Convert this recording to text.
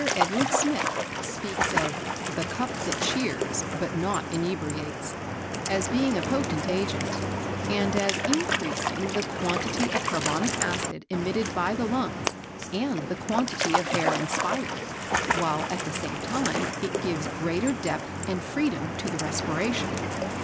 Edward Smith speaks of "the cup that cheers but not inebriates" as being a potent agent, and as increasing the quantity of carbonic acid emitted by the lungs and the quantity of air inspired, while at the same time it gives greater depth and freedom to the respiration.